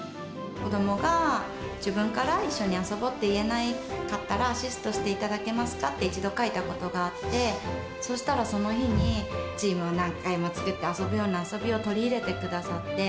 子どもが自分から一緒に遊ぼうって言えなかったら、アシストしていただけますかって、一度書いたことがあって、そしたら、その日にチームを何回も作って遊ぶような遊びを取り入れてくださって。